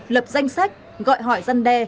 lập danh sách gọi hỏi răn đe